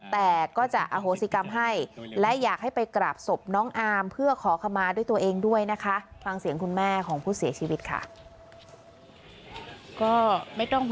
แต่ก็จะอโฮศิกรรมให้